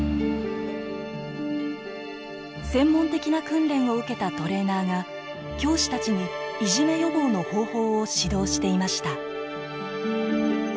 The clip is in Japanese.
専門的な訓練を受けたトレーナーが教師たちにいじめ予防の方法を指導していました。